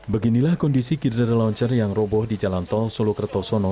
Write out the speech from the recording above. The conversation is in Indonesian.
beginilah kondisi kiri launcher yang roboh di jalan tol solo kertosono